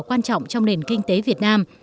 quan trọng trong nền kinh tế việt nam